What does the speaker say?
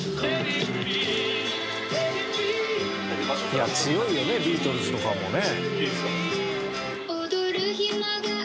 いや強いよねビートルズとかもね。